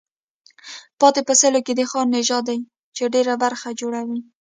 پاتې په سلو کې د خان نژاد دی چې ډېره برخه جوړوي.